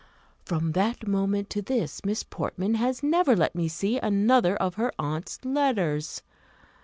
From that moment to this, Miss Portman has never let me see another of her aunt's letters.